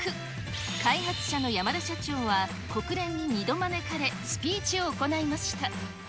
開発者の山田社長は、国連に２度招かれ、スピーチを行いました。